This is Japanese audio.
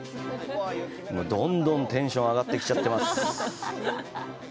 どんどんテンション上がってきちゃってます！